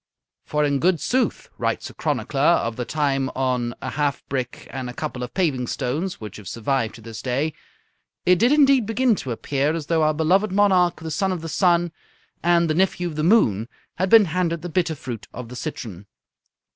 "For in good sooth," writes a chronicler of the time on a half brick and a couple of paving stones which have survived to this day, "it did indeed begin to appear as though our beloved monarch, the son of the sun and the nephew of the moon, had been handed the bitter fruit of the citron."